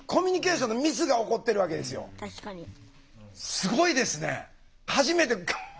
すごいですね。